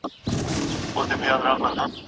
زه که لیونی نهيم، نو دا ولې؟